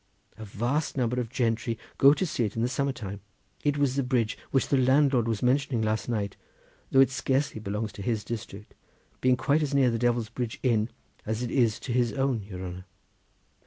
A vast number of gentry go to see it in the summer time. It was the bridge which the landlord was mentioning last night, though it scarcely belongs to his district, being quite as near the Devil's Bridge inn, as it is to his own, your honour."